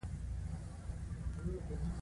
د ښار دنجونو پر پوړونو به، سره زرغونه،